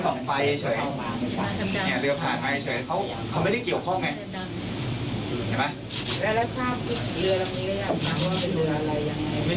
ผมว่าแกจะรู้ว่าสิ่งนี้ก็ไม่ได้